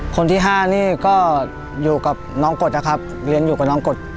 คนที่๕นี่ก็อยู่กับน้องกฎนะครับเรียนอยู่กับน้องกฎ